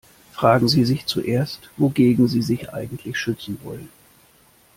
Fragen Sie sich zuerst, wogegen Sie sich eigentlich schützen wollen.